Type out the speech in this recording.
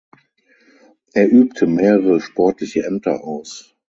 Er übte mehrere sportliche Ämter aus.